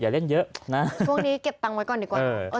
ช่วงนี้เก็บตังค์ไว้ก่อนดีกว่า